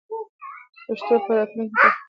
پښتو به په راتلونکي کې په خورا روانه بڼه وپیژندل شي.